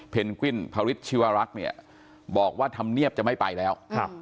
เพนกวิ่นพริษชีวรักษ์เนี่ยบอกว่าทำเนียบจะไม่ไปแล้ว